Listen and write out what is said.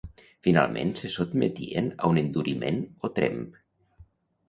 Finalment se sotmetien a un enduriment o tremp.